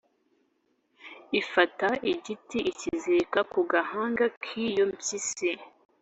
Ifata igiti ikizirika ku gahanga k’iyo mpyisi.